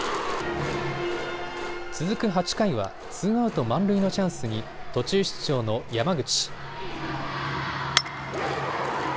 続く８回はツーアウト満塁のチャンスに途中出場の山口。